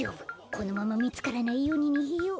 このままみつからないようににげよう。